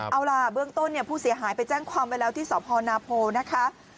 เอาล่ะเบื้องต้นเนี่ยผู้เสียหายไปแจ้งความไว้แล้วที่สพนาโพนะคะ